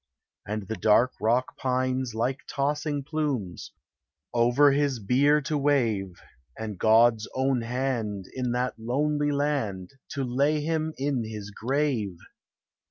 And the dark rock pines, like tossing plumes, Over his bier to wave, And God's own hand, in that lonely land, To lay him in his grave!